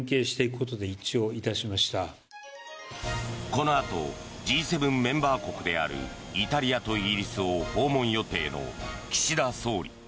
このあとＧ７メンバー国であるイタリアとイギリスを訪問予定の岸田総理。